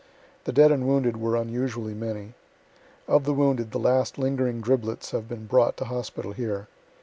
The dead and wounded were unusually many. Of the wounded the last lingering driblets have been brought to hospital here.